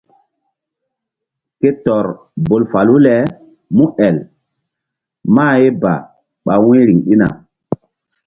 Ke tɔr bol falu le múel mah ye ba ɓa wu̧y riŋ ɗina.